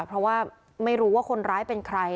เพราะว่าไม่รู้ว่าคนร้ายเป็นใคร